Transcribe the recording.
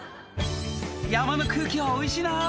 「山の空気はおいしいな」